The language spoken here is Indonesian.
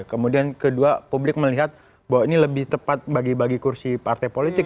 kemudian kedua publik melihat bahwa ini lebih tepat bagi bagi kursi partai politik